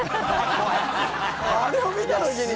あれを見た時に。